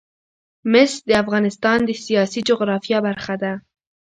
مس د افغانستان د سیاسي جغرافیه برخه ده.